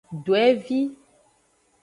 Dwevi.